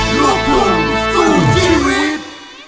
ลูกทุ่งสู้ชีวิต